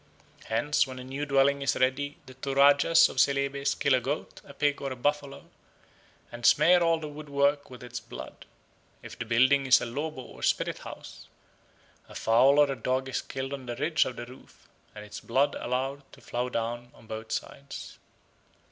Hence, when a new dwelling is ready the Toradjas of Celebes kill a goat, a pig, or a buffalo, and smear all the woodwork with its blood. If the building is a lobo or spirit house, a fowl or a dog is killed on the ridge of the roof, and its blood allowed to flow down on both sides.